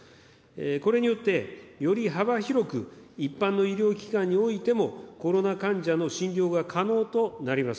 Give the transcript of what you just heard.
これによって、より幅広く、一般の医療機関においてもコロナ患者の診療が可能となります。